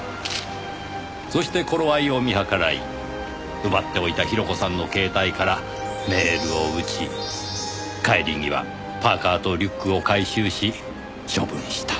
そして頃合いを見計らい奪っておいた広子さんの携帯からメールを打ち帰り際パーカーとリュックを回収し処分した。